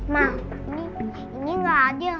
ma ini gak adil